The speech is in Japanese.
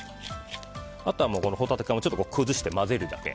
あとはホタテ缶を崩して混ぜるだけ。